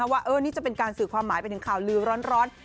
ว่านี่จะเป็นการสื่อความหมายไปถึงข่าวลือร้อน